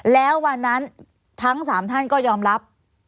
แล้ววันนั้นทั้ง๓ท่านก็ยอมรับ